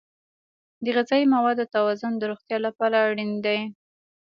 د غذایي موادو توازن د روغتیا لپاره اړین دی.